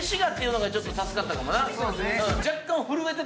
そうですね。